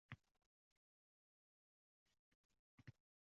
Buvisi uzatgan piyolani olayotib, qo‘li qaltirab ketdi